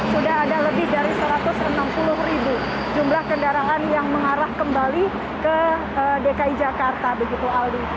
sudah ada lebih dari satu ratus enam puluh ribu jumlah kendaraan yang mengarah kembali ke dki jakarta begitu aldi